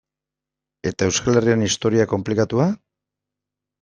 Eta Euskal Herriaren historia konplikatua?